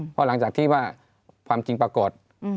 เพราะหลังจากที่ว่าความจริงปรากฏ